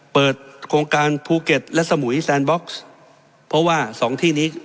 เปิดโครงการภูเก็ตและสมุยแซนบ็อกซ์เพราะว่าสองที่นี้